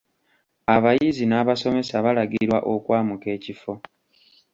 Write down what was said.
Abayizi n'abasomesa balagirwa okwamuka ekifo.